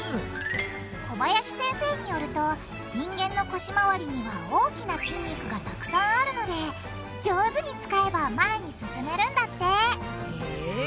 小林先生によると人間の腰回りには大きな筋肉がたくさんあるので上手に使えば前に進めるんだってへぇ。